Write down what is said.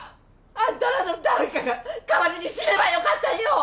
あんたらの誰かが代わりに死ねばよかったんよ！